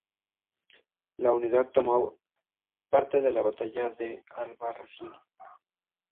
La unidad tomó parte en la batalla de Albarracín.